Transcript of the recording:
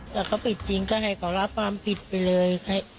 ถ้าเขาผิดจริงก็ให้เขารับความผิดไปเลย